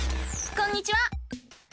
こんにちは！